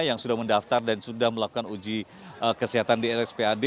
yang sudah mendaftar dan sudah melakukan uji kesehatan di lspad